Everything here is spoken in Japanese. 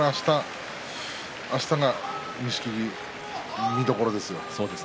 あしたが錦木、見どころですよ。